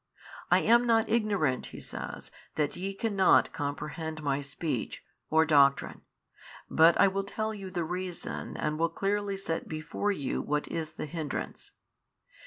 I am not ignorant (He says) that ye cannot comprehend My Speech, or doctrine; but I will tell you the reason and will clearly set before you what is the hindrance.